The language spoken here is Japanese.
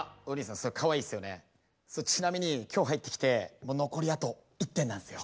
それちなみに今日入ってきてもう残りあと１点なんすよ。